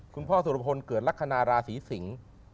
คุณพ่อสุรพลเกิดลักษณะราศีสิงศ์